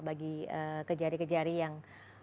bagi kejari kejari yang